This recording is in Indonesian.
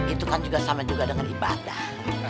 itu kan juga sama juga dengan ibadah